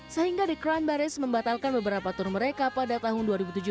sehingga the crown baris membatalkan beberapa tour mereka pada tahun dua ribu tujuh belas